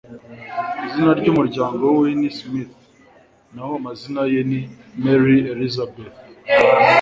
Izina ry'umuryango we ni Smith naho amazina ye ni Mary Elizabeth